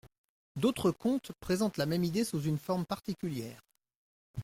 D'autres contes présentent la même idée sous une forme particulière.